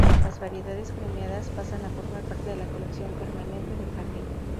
Las variedades premiadas pasan a formar parte de la colección permanente del jardín.